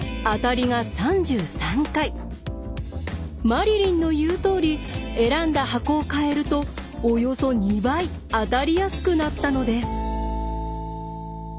マリリンの言うとおり選んだ箱を変えるとおよそ２倍当たりやすくなったのです。